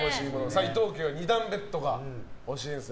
伊藤家は２段ベッドが欲しいんですね。